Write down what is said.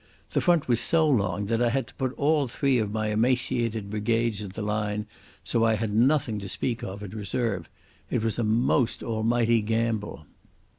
The front was so long that I had to put all three of my emaciated brigades in the line, so I had nothing to speak of in reserve. It was a most almighty gamble.